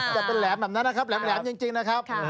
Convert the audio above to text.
จะเป็นแหลมแบบนั้นนะครับแหลมจริงนะครับ